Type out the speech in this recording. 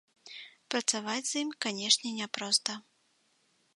Працаваць з ім, канешне, няпроста.